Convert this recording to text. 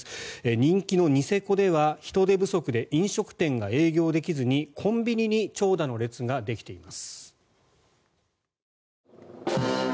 人気のニセコでは人手不足で飲食店が営業できずにコンビニに長蛇の列ができています。